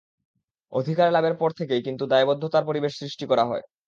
অধিকার লাভের পর থেকেই কিন্তু দায়বদ্ধতার পরিবেশ সৃষ্টি করা হয়।